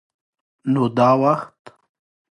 _نو دا وخت؟